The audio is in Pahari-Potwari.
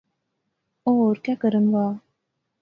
او ہور کہہ کرین وہا